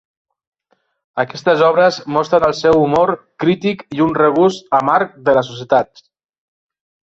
Aquestes obres mostren el seu humor crític i un regust amarg de la societat.